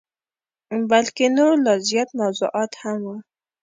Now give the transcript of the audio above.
بلکه نور لا زیات موضوعات هم وه.